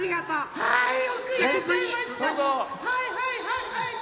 はいはいはいはい。